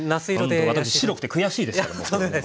ほんと私白くて悔しいですけども。